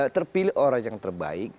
terpilih orang yang terbaik